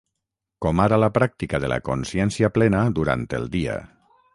com ara la pràctica de la consciència plena durant el dia